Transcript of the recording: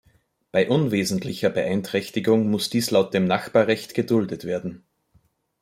Bei unwesentlicher Beeinträchtigung muss dies laut dem Nachbarrecht geduldet werden.